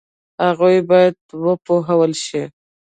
هغوی باید وپوهول شي.